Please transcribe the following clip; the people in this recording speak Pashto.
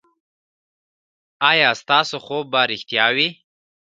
ایا ستاسو خوب به ریښتیا وي؟